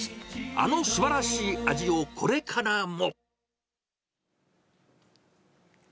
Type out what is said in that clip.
あの素晴らしい味をこれからも。